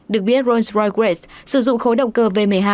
được biết rolls royce great sử dụng khối động cơ v một mươi hai